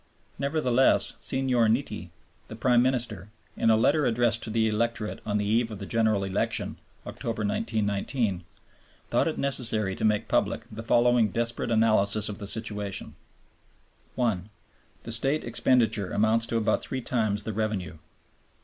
Nevertheless Signor Nitti, the Prime Minister, in a letter addressed to the electorate on the eve of the General Election (Oct., 1919), thought it necessary to make public the following desperate analysis of the situation: (1) The State expenditure amounts to about three times the revenue.